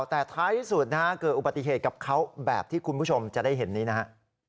แต่ท้ายที่สุดนะฮะเกิดอุบัติเหตุกับเขาแบบที่คุณผู้ชมจะได้เห็นนี้นะฮะ